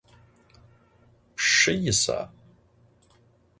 Pşşı yisa?